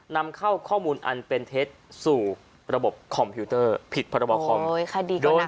นำเข้าข้อมูลอันเป็นเท็จสู่ระบบคอมพิวเตอร์ผิดพรบคอม